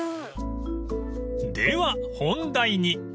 ［では本題に］